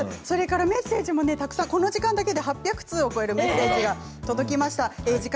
メッセージもたくさんこの時間だけで８００通を超えるメッセージが届きました。